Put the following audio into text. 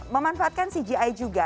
memanfaatkan cgi juga